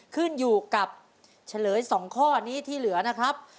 ขึ้นอยู่กับเฉลย๒ข้อนี้ที่เหลือนะครับ